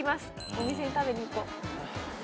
お店に食べに行こう。